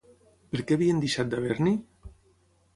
Per què havien deixat d'haver-n'hi?